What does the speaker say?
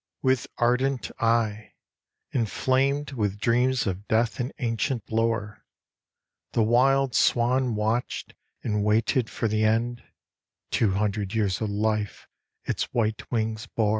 With ardent eye, Inflamed with dreams of death and ancient lore, The wild swan watched and waited for the end Two hundred years of life its white wings bore.